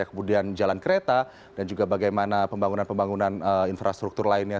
kemudian jalan kereta dan juga bagaimana pembangunan pembangunan infrastruktur lainnya